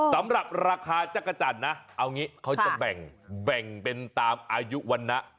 สำหรับราคาจักรจันทร์นะเอางี้เขาจะแบ่งเป็นตามอายุวรรณะ